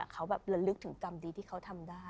เขาแบบระลึกถึงกรรมดีที่เขาทำได้